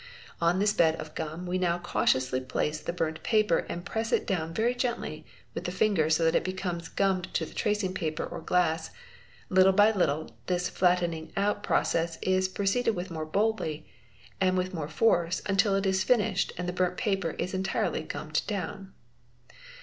On this bed of gum we now cautiously place the burnt aper and press it down very gently with the finger so that it becomes gummed to the tracing paper or glass; little by little this flattening out process is proceeded with more boldly and with more force until it is inished and the burnt paper is entirely gummed down.